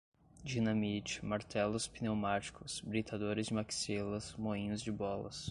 dinamite, martelos pneumáticos, britadores de maxilas, moinhos de bolas